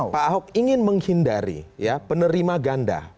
pak ahok ingin menghindari ya penerima ganda